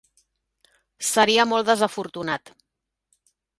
Seria molt desafortunat.